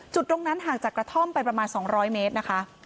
ตรงนั้นห่างจากกระท่อมไปประมาณ๒๐๐เมตรนะคะ